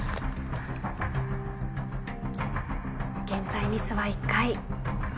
現在ミスは１回。